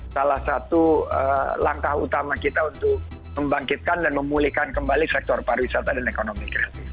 salah satu langkah utama kita untuk membangkitkan dan memulihkan kembali sektor pariwisata dan ekonomi kreatif